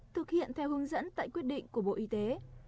thực hiện theo hướng dẫn tại quyết định của bộ y tế